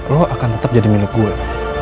lo akan tetap jadi milik gue